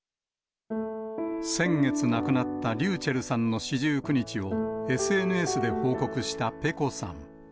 先月亡くなったｒｙｕｃｈｅｌｌさんの四十九日をＳＮＳで報告したｐｅｃｏさん。